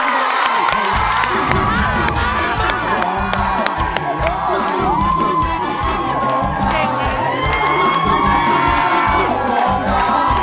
ร้องได้ร้องได้ร้องได้